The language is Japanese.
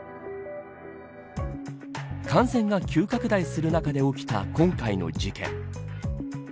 感染が急拡大する中で起きた今回の事件。